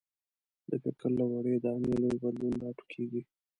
د فکر له وړې دانې لوی بدلون راټوکېږي.